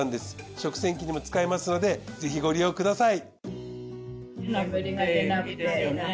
食洗機にも使えますのでぜひご利用ください。